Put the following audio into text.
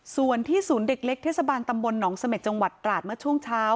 ส่วนที่ศูนย์เด็กเล็กเทศบาลตำบลหนองเสม็ดจังหวัดตราดเมื่อช่วงเช้า